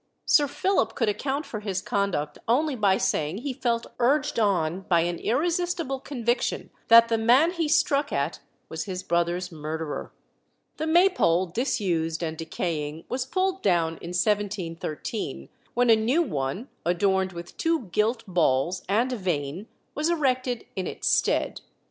Sir Philip could account for his conduct only by saying he felt urged on by an irresistible conviction that the man he struck at was his brother's murderer. The Maypole, disused and decaying, was pulled down in 1713, when a new one, adorned with two gilt balls and a vane, was erected in its stead.